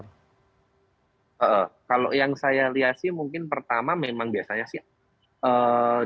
hai kalau yang saya lihat sih mungkin pertama memang biasanya sih